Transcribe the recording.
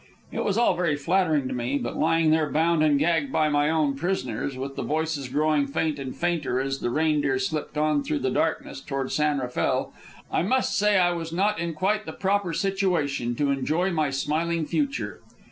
It was all very flattering to me, but lying there, bound and gagged by my own prisoners, with the voices growing faint and fainter as the Reindeer slipped on through the darkness toward San Rafael, I must say I was not in quite the proper situation to enjoy my smiling future.